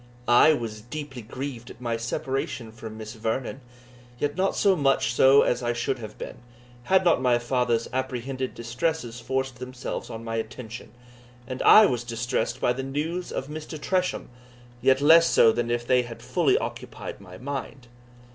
I was deeply grieved at my separation from Miss Vernon, yet not so much so as I should have been, had not my father's apprehended distresses forced themselves on my attention; and I was distressed by the news of Mr. Tresham, yet less so than if they had fully occupied my mind.